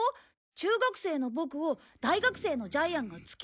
中学生のボクを大学生のジャイアンが突き飛ばして。